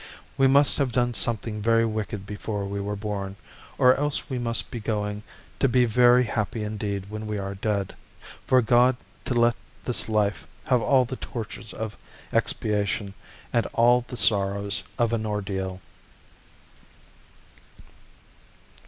We must have done something very wicked before we were born, or else we must be going to be very happy indeed when we are dead, for God to let this life have all the tortures of expiation and all the sorrows of an ordeal.